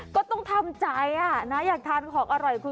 ก็ต้องทำใจนะอยากทานของอร่อยคุณ